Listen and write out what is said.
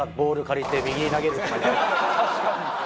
確かに。